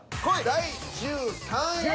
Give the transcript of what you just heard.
第１３位は。